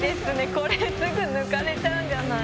これすぐ抜かれちゃうんじゃない？